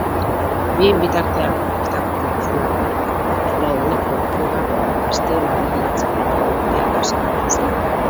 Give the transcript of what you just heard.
Bien bitartean, bertako kontsulatuko arduradunek gorpua asteon aberriratzeko tramiteak hasi dituzte.